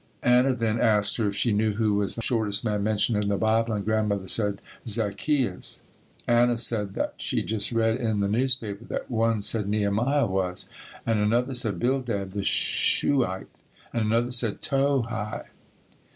Anna then asked her if she knew who was the shortest man mentioned in the Bible and Grandmother said "Zaccheus." Anna said that she just read in the newspaper, that one said "Nehimiah was" and another said "Bildad the Shuhite" and another said "Tohi."